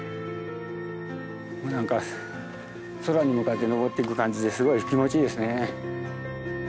もう何か空に向かって登っていく感じですごい気持ちいいですね。